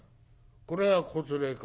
これが『こつれへ』か。